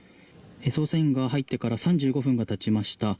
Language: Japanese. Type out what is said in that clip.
捜査員が入ってから３５分が経ちました。